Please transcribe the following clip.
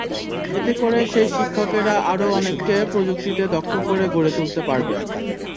এতে করে সেই শিক্ষকেরা আরও অনেককে প্রযুক্তিতে দক্ষ করে গড়ে তুলতে পারবেন।